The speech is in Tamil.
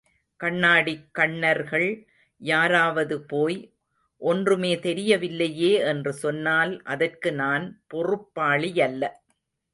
கண்ணாடிக் கண்ணர்கள் யாராவது போய், ஒன்றுமே தெரியவில்லையே என்று சொன்னால் அதற்கு நான் பொறுப்பாளியல்ல.